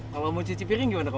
kalau mau cuci piring gimana